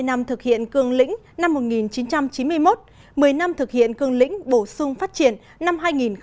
ba mươi năm thực hiện cương lĩnh năm một nghìn chín trăm chín mươi một một mươi năm thực hiện cương lĩnh bổ sung phát triển năm hai nghìn một mươi một